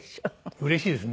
うれしいですね